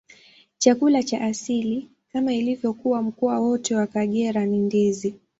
Chakula cha asili, kama ilivyo kwa mkoa wote wa Kagera, ni ndizi.